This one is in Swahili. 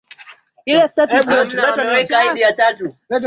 Vikundi mbalimbali vya Sanaa navyo hupata fursa ya kuonesha sanaa zao